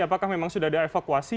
apakah memang sudah ada evakuasi